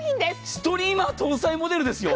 ストリーマ搭載モデルですよ。